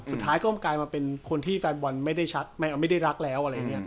สุดท้ายก็กลายมาเป็นตัวที่แฟนบอลไม่ได้ชัดไม่ได้รักแล้ว